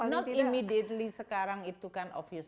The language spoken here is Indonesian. not immidately sekarang itu kan obvious